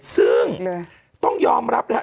ซึ่งต้องยอมรับนะครับ